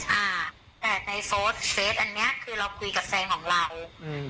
อ่าแต่ในโซดเซสอันเนี้ยคือเราคุยกับแฟนของเราอืม